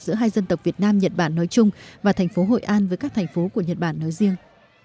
giữa hai dân tộc việt nam nhật bản nói chung và thành phố hội an với các thành phố của nhật bản nói riêng